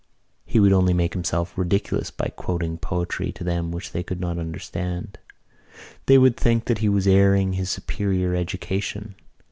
He would only make himself ridiculous by quoting poetry to them which they could not understand. They would think that he was airing his superior education.